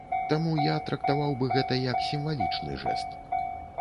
Таму я трактаваў бы гэта як сімвалічны жэст.